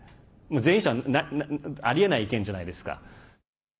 前者はありえない意見じゃないですか。